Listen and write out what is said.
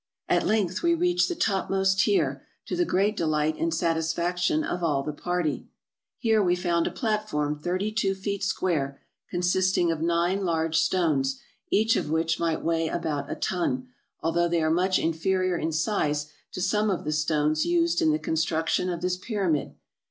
At length we reached the topmost tier, to the great delight and satisfaction of all the party. Here we found a platform thirty two feet square, consisting of nine large stones, each of which might weigh about a ton, although they are much inferior in size to some of the stones used in the construction of this pyramid.